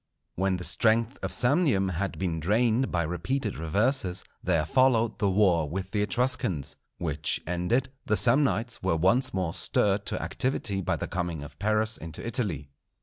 When the strength of Samnium had been drained by repeated reverses, there followed the war with the Etruscans; which ended, the Samnites were once more stirred to activity by the coming of Pyrrhus into Italy.